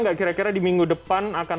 nggak kira kira di minggu depan akan